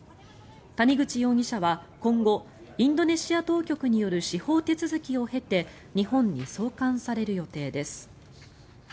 谷口容疑者は今後インドネシア当局による司法手続きを経て日本に送還される予定です。